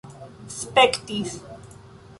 spektis